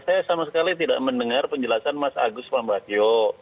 saya sama sekali tidak mendengar penjelasan mas agus pambagio